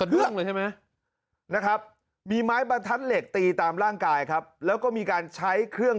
เครื่องเลยใช่ไหมนะครับมีไม้บรรทัดเหล็กตีตามร่างกายครับแล้วก็มีการใช้เครื่อง